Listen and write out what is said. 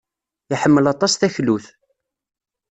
Iḥemmel aṭas taklut.